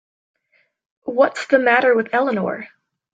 What's the matter with Eleanor?